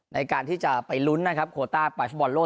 ในการที่จะไปลุ้นนะครับโคต้าไปฟุตบอลโลก